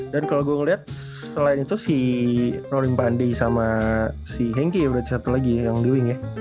dan kalo gua liat selain itu sih rolim pandey sama si henki ya berarti satu lagi yang di wing ya